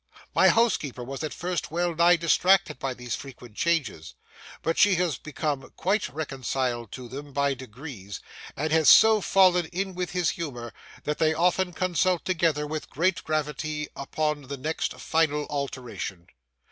My housekeeper was at first well nigh distracted by these frequent changes; but she has become quite reconciled to them by degrees, and has so fallen in with his humour, that they often consult together with great gravity upon the next final alteration.